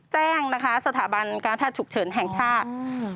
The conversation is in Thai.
แจ้งนะคะสถาบันการแพทย์ฉุกเฉินแห่งชาติ